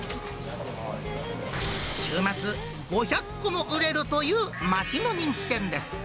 週末、５００個も売れるという街の人気店です。